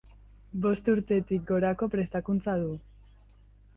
Bost urtetik gorako prestakuntza du.